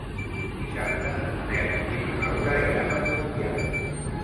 Dissabte en Manel i na Laura iran a Fortià.